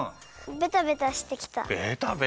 ベタベタしてきた。